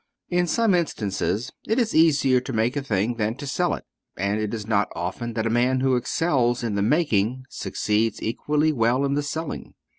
In some instances, it is easier to make a thing than to sell it, and it is not often that a man who excels in the making succeeds equally well in the selling.